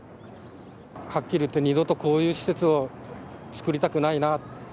はっきり言って二度とこういう施設を作りたくないな。